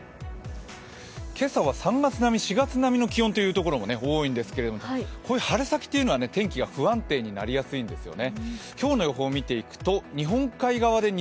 今朝は３月並み４月並みの気温というところも多いんですけどこういう春先というのは、天気が不安定になりやすいんですよね。